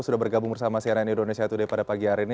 sudah bergabung bersama cnn indonesia today pada pagi hari ini